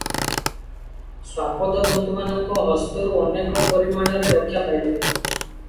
ଶ୍ୱାପଦ ଜନ୍ତୁମାନଙ୍କ ହସ୍ତରୁ ଅନେକ ପରିମାଣରେ ରକ୍ଷା ପାଇଲେ ।